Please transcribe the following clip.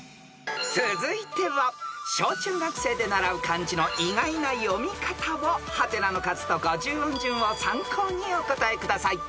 ［続いては小中学生で習う漢字の意外な読み方を「？」の数と五十音順を参考にお答えください］